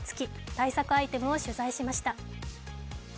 対策アイテムを取材しました。